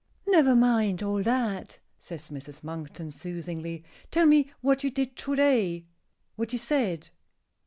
"Never mind all that," says Mrs. Monkton, soothingly. "Tell me what you did to day what you said."